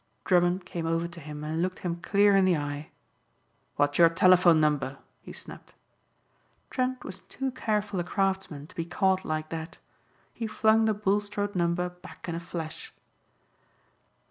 Drummond came over to him and looked him clear in the eye. "What's your telephone number?" he snapped. Trent was too careful a craftsman to be caught like that. He flung the Bulstrode number back in a flash.